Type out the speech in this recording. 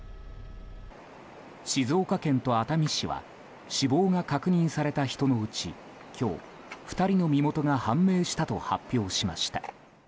静岡県と熱海市は死亡が確認された人のうち今日２人の身元が判明したと発表しました。